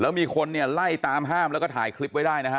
แล้วมีคนเนี่ยไล่ตามห้ามแล้วก็ถ่ายคลิปไว้ได้นะฮะ